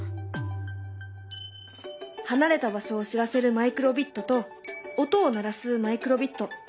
離れた場所を知らせるマイクロビットと音を鳴らすマイクロビット。